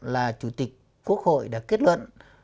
là chủ tịch quốc hội đã kết luận